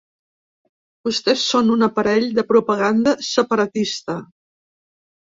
Vostès són un aparell de propaganda separatista.